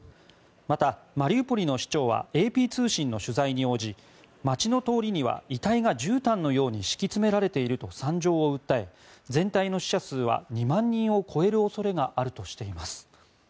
また、マリウポリの市長はＡＰ通信の取材に応じ街の通りには遺体がじゅうたんのように敷き詰められていると惨状を訴え全体の死者数は２万人を超える恐れがあるとしています。